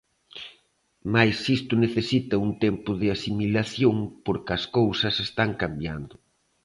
Mais isto necesita un tempo de asimilación porque as cousas están cambiando.